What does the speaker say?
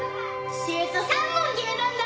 シュート３本決めたんだ！